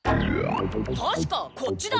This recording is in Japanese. たしかこっちだ。